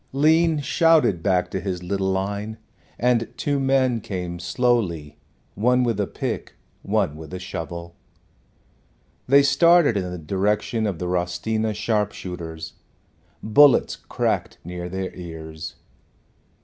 Lean shouted back to his little line, and two men came slowly, one with a pick, one with a shovel. They started in the direction of the Rostina sharp shooters. Bullets cracked near their ears.